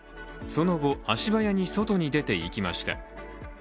その後、足早に外に出ていきました。